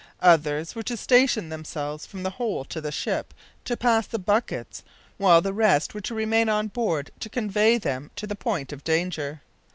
Others were to station themselves from the hole to the ship to pass the buckets, while the rest were to remain on board to convey them to the point of danger.